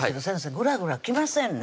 グラグラきませんね